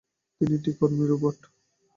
তিনটিই কর্মী রোবট।